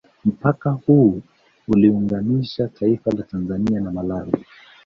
Mpaka huu unaliunganisha taifa la Tanzania na Malawi